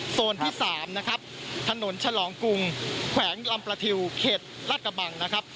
โซนที่๓นะครับถนนฉลองกรุงแขวงลำประทิวเขตลาดกระบังนะครับ